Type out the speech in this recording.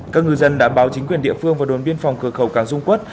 các người dân đã báo chính quyền địa phương và đồn biên phòng cửa khẩu càng dung quất